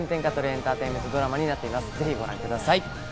エンターテインメントドラマになっております、ぜひご覧ください。